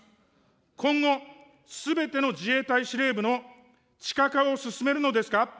今後、すべての自衛隊司令部の地下化を進めるのですか。